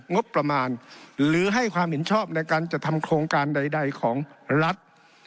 งบประมาณหรือให้ความเห็นชอบในการจัดทำโครงการใดของรัฐ